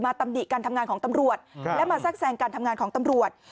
ตำหนิการทำงานของตำรวจและมาแทรกแทรงการทำงานของตำรวจ